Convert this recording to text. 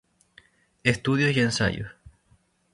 Estudios y Ensayos".